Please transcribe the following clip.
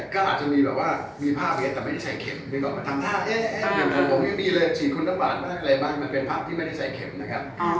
คือยืนยังว่าไม่ได้เจาะพับฉีดจริงต้องถีง